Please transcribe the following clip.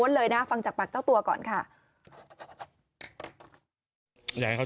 แต่ไม่ได้ว่าเอาหน้าเขาไปทิ้มกับท่อนะครับ